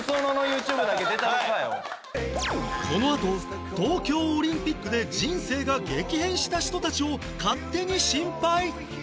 このあと東京オリンピックで人生が激変した人たちを勝手にシンパイ